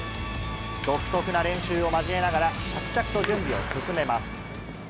独特な練習を交えながら、着々と準備を進めます。